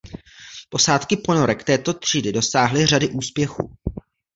Posádky ponorek této třídy dosáhly řady úspěchů.